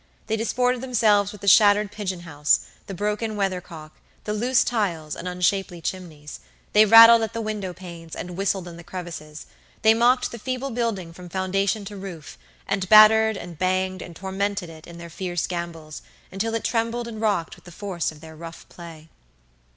They disported themselves with the shattered pigeon house, the broken weathercock, the loose tiles, and unshapely chimneys; they rattled at the window panes, and whistled in the crevices; they mocked the feeble building from foundation to roof, and battered, and banged, and tormented it in their fierce gambols, until it trembled and rocked with the force of their rough play.